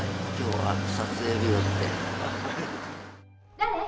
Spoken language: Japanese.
誰？